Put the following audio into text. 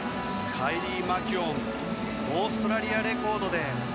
カイリー・マキュオンオーストラリアレコードで。